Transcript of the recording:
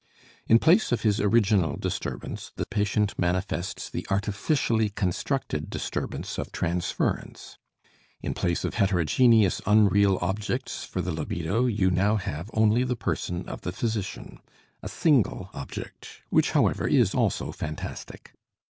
In place of his original disturbance the patient manifests the artificially constructed disturbance of transference; in place of heterogeneous unreal objects for the libido you now have only the person of the physician, a single object, which, however, is also fantastic.